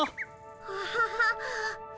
アハハッ。